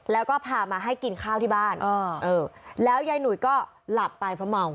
แล้วก็พามาให้กินข้าวที่บ้านแล้วยายหนุ่ยก็หลับไปเพราะเมา